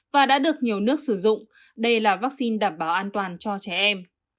và đã được nhiều nước sử dụng đây là vaccine đảm bảo an toàn cho trẻ em